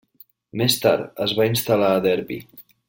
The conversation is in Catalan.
Més tard es va instal·lar a Derby.